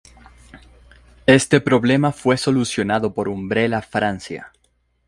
Este problema fue solucionado por Umbrella Francia.